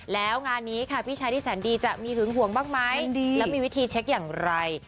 แล้วงานนี้ค่ะพี่ชายที่แสนดีจะมีหึงห่วงบ้างไหมแล้วมีวิธีเช็คอย่างไร